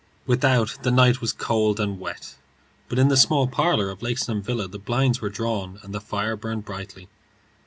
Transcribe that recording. Without, the night was cold and wet, but in the small parlour of Laburnam Villa the blinds were drawn and the fire burned brightly.